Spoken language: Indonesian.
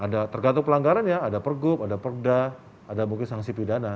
ada tergantung pelanggaran ya ada pergub ada perda ada mungkin sanksi pidana